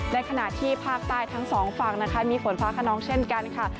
ในขณะที่ภาคใต้ทั้งสองฝั่งนะคะมีฝนฟ้าขนองเช่นกันค่ะ